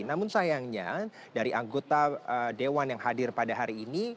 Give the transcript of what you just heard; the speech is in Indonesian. namun sayangnya dari anggota dewan yang hadir pada hari ini